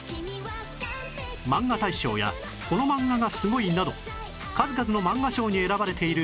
マンガ大賞や『このマンガがすごい！』など数々の漫画賞に選ばれている